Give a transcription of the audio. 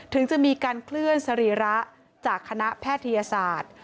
ถึงจะมีการเคลื่อนสรีระจากคณะแพทยศาสตร์